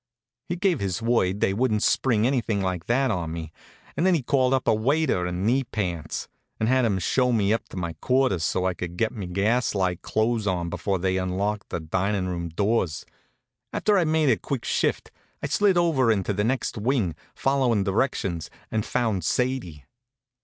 He gave his word they wouldn't spring anything like that on me, and then he called up a waiter in knee pants, and had him show me up to my quarters so I could get me gas light clothes on before they unlocked the dinin' room doors. After I'd made a quick shift I slid over into the next wing, followin' directions, and found Sadie.